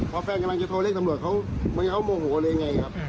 พอแฟนกำลังจะโทรเรียกตำรวจเขาโมโหหรือยังไงครับ